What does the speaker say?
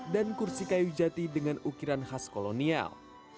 dan kursi kayu jati dengan ukiran khas kolonial